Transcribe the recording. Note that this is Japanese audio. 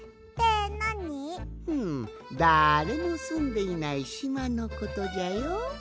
ふむだれもすんでいないしまのことじゃよ。